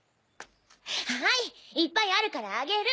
はいいっぱいあるからあげる。